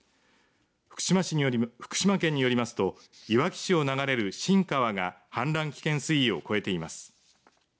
福島県によりますといわき市を流れる新川が氾濫危険水位を超えています。